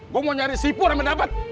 gue mau nyari si pur yang mendapat